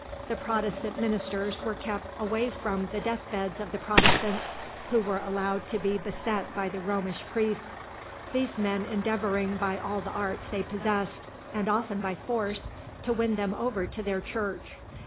The Protestant ministers were kept away from the death beds of the Protestants, who were allowed to be beset by the Romish priests; these men endeavouring by all the arts they possessed, and often by force, to win them over to their church.